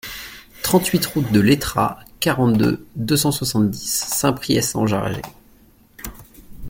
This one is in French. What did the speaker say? trente-huit route de L'Etrat, quarante-deux, deux cent soixante-dix, Saint-Priest-en-Jarez